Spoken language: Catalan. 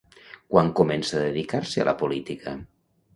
Quan comença a dedicar-se a la política?